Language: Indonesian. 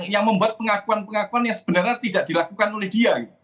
yang membuat pengakuan pengakuan yang sebenarnya tidak dilakukan oleh dia